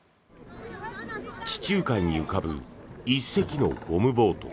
地中海に浮かぶ１隻のゴムボート。